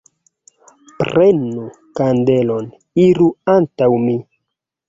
Prenu kandelon, iru antaŭ mi!